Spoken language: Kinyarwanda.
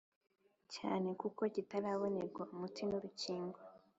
cyane kuko kitarabonerwa umuti nurukingo